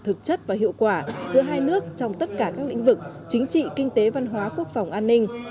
thực chất và hiệu quả giữa hai nước trong tất cả các lĩnh vực chính trị kinh tế văn hóa quốc phòng an ninh